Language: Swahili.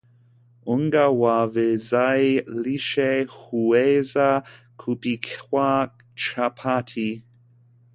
unga wa viazi lishe huweza kupikwa chapati